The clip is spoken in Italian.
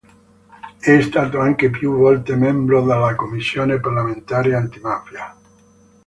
È stato anche più volte membro della Commissione Parlamentare Antimafia.